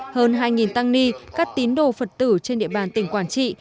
hơn hai tăng ni các tín đồ phật tử trên địa bàn tỉnh quảng trị